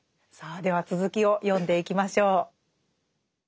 さあでは続きを読んでいきましょう。